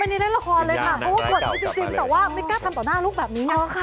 ไม่ได้เล่นละครเลยค่ะเหมือนไม่จริงแต่ว่าไม่กล้าทำต่อหน้าลูกแบบนี้ค่ะ